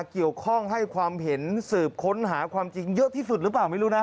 เกี่ยวข้องให้ความเห็นสืบค้นหาความจริงเยอะที่สุดหรือเปล่าไม่รู้นะ